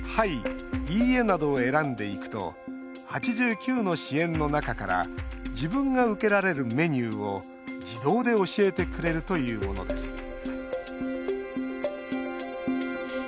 「いいえ」などを選んでいくと８９の支援の中から自分が受けられるメニューを自動で教えてくれるというものです